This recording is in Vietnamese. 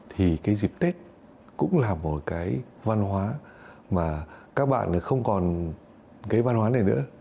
thì cái dịp tết cũng là một cái văn hóa mà các bạn không còn cái văn hóa này nữa